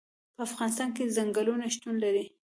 په افغانستان کې ځنګلونه شتون لري.